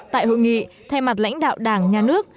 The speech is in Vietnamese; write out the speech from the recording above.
tại hội nghị thay mặt lãnh đạo đảng nhà nước